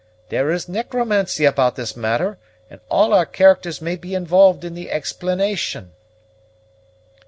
There is necromancy about this matter, and all our characters may be involved in the explanation."